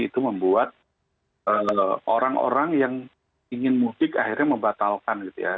itu membuat orang orang yang ingin mudik akhirnya membatalkan gitu ya